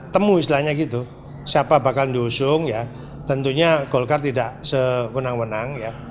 temu istilahnya gitu siapa bakal diusung ya tentunya golkar tidak sewenang wenang ya